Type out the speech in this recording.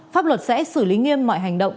pháp luật sẽ xử lý nghiêm mọi hành động